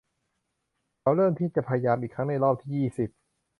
เขาเริ่มที่จะพยายามอีกครั้งในรอบที่ยี่สิบ